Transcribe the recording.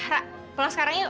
ra pulang sekarang yuk